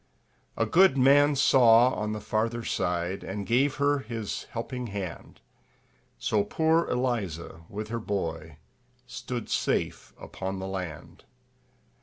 A good man saw on the farther side, And gave her his helping hand; So poor Eliza, with her boy, Stood safe upon the land.